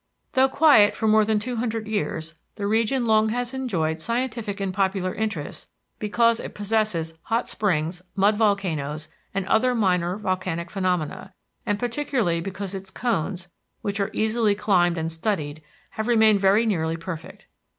Though quiet for more than two hundred years, the region long has enjoyed scientific and popular interest because it possesses hot springs, mud volcanoes and other minor volcanic phenomena, and particularly because its cones, which are easily climbed and studied, have remained very nearly perfect.